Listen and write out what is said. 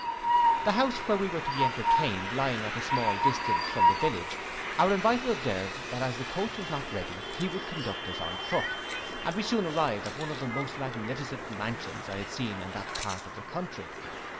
The house where we were to be entertained, lying at a small distance from the village, our inviter observed, that as the coach was not ready, he would conduct us on foot, and we soon arrived at one of the most magnificent mansions I had seen in that part of the country.